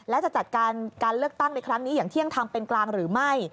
และจะจัดการการเลือกตั้งในครั้งนี้อย่างเที่ยงทางเป็นกลางหรือไม่